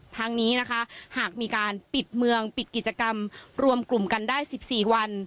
ทางนี้นะคะหากมีการปิดเมืองปิดกิจกรรมรวมกลุ่มกันได้๑๔วัน